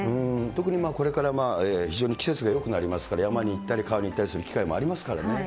特にこれから非常に季節がよくなりますから、山に行ったり川に行ったりする機会もありますからね。